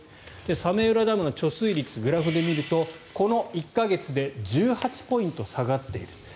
早明浦ダムの貯水率グラフで見るとこの１か月で１８ポイント下がっている。